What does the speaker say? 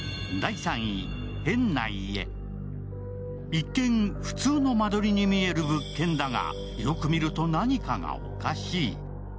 一見、普通の間取りに見える物件だがよく見ると何かがおかしい。